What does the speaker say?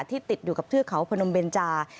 ติดอยู่กับเทือกเขาพนมเบนจา